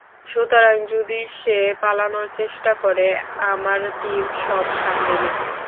সুতরাং, যদি সে পালানোর চেষ্টা করে, আমার টিম সব সামলে নিবে।